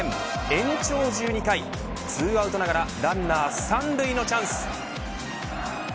延長１２回２アウトながらランナー三塁のチャンス。